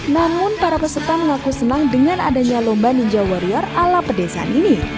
namun para peserta mengaku senang dengan adanya lomba ninja warrior ala pedesaan ini